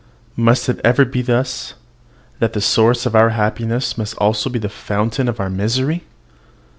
Must it ever be thus, that the source of our happiness must also be the fountain of our misery?